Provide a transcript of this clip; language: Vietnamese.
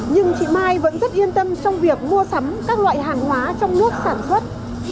nhưng chị mai vẫn rất yên tâm trong việc mua sắm các loại hàng hóa trong nước sản xuất